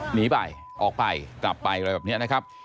หนีไปออกไปกลับไปอะไรแบบนี้นะครับ